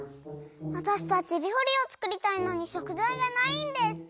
わたしたちりょうりをつくりたいのにしょくざいがないんです！